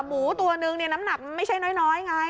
หมูตัวนึงเนี่ยน้ำหนักมันไม่ใช่น้อยไง